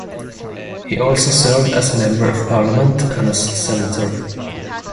He also served as member of parliament and as senator.